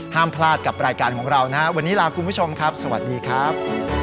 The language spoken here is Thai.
ห้ามพลาดกับรายการของเรานะครับวันนี้ลาคุณผู้ชมครับสวัสดีครับ